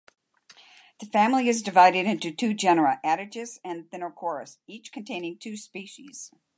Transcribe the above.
The family is divided into two genera, "Attagis" and "Thinocorus", each containing two species.